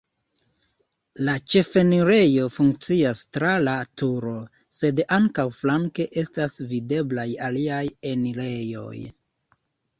La ĉefenirejo funkcias tra la turo, sed ankaŭ flanke estas videblaj aliaj enirejoj.